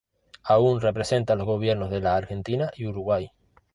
Aún representa los gobiernos de la Argentina y Uruguay.